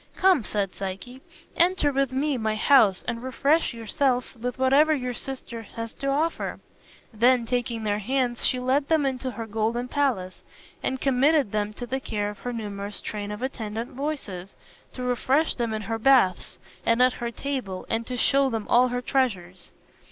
"Come," said Psyche, "enter with me my house and refresh yourselves with whatever your sister has to offer." Then taking their hands she led them into her golden palace, and committed them to the care of her numerous train of attendant voices, to refresh them in her baths and at her table, and to show them all her treasures.